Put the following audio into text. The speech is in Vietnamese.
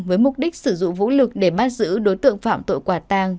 với mục đích sử dụng vũ lực để bắt giữ đối tượng phạm tội quả tàng